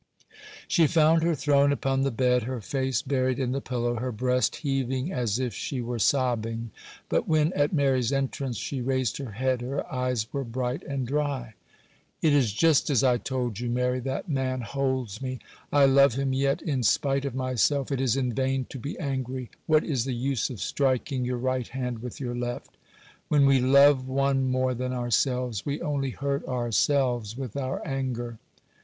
She found her thrown upon the bed, her face buried in the pillow, her breast heaving as if she were sobbing; but when at Mary's entrance she raised her head, her eyes were bright and dry. 'It is just as I told you, Mary,—that man holds me. I love him yet, in spite of myself. It is in vain to be angry. What is the use of striking your right hand with your left? When we love one more than ourselves, we only hurt ourselves with our anger.